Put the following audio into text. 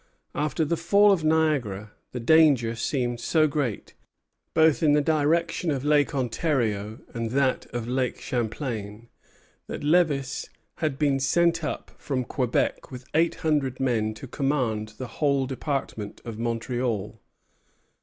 After the fall of Niagara the danger seemed so great, both in the direction of Lake Ontario and that of Lake Champlain, that Lévis had been sent up from Quebec with eight hundred men to command the whole department of Montreal.